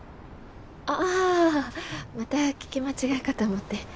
あまた聞き間違いかと思って。